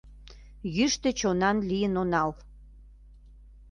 Йӱштӧ чонан лийын онал.